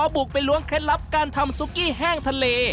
บุกไปล้วงเคล็ดลับการทำซุกี้แห้งทะเล